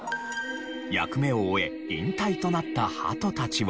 役目を終え引退となった鳩たちは。